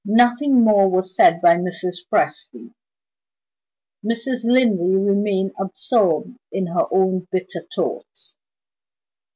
Nothing more was said by Mrs. Presty; Mrs. Linley remained absorbed in her own bitter thoughts.